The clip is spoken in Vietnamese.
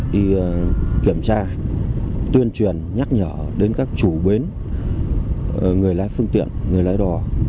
đi kiểm tra tuyên truyền nhắc nhở đến các chủ bến người lái phương tiện người lái đò